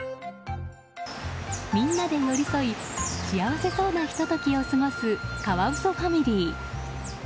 みんなで寄り添い幸せそうなひと時を過ごすカワウソファミリー。